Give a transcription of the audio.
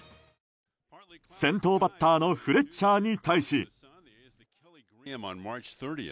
先頭バッターのフレッチャーに対し。